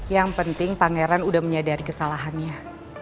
yang penting pangeran udah menyadari kesalahannya